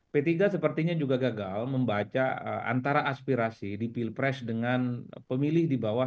p tiga sepertinya juga gagal membaca antara aspirasi di pilpres dengan pemilih di bawah